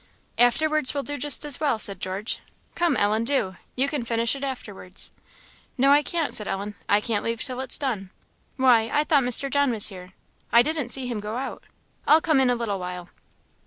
"Afterwards will do just as well," said George; "come, Ellen, do! you can finish it afterwards." "No, I can't," said Ellen, "I can't leave it till it's done. Why, I thought Mr. John was here! I didn't see him go out. I'll come in a little while."